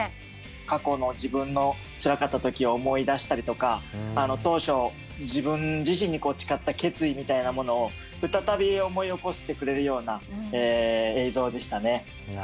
過去の自分のつらかった時を思い出したりとか当初自分自身に誓った決意みたいなものを再び思い起こしてくれるような映像でしたね。